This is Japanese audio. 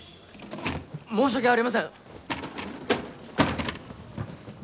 申し訳ありません！